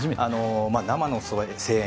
生の声援